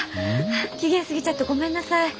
期限過ぎちゃってごめんなさい。